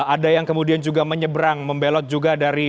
ada yang kemudian juga menyeberang membelot juga dari